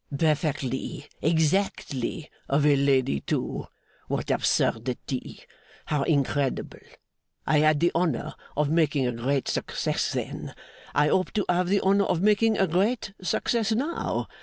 'Perfectly. Exactly. Of a lady too! What absurdity! How incredible! I had the honour of making a great success then; I hope to have the honour of making a great success now.